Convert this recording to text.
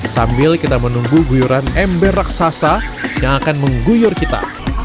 sambil kita menunggu guyuran ember raksasa yang akan mengguyur kita